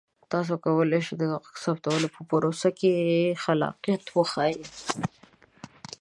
تاسو کولی شئ د غږ ثبتولو په پروسه کې خلاقیت وښایئ.